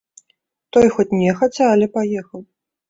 Той хоць нехаця, але паехаў.